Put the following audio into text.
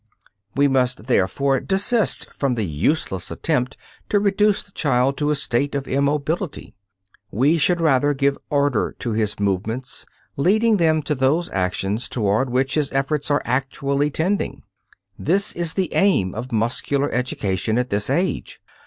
We must, therefore, desist from the useless attempt to reduce the child to a state of immobility. We should rather give "order" to his movements, leading them to those actions towards which his efforts are actually tending. This is the aim of muscular education at this age.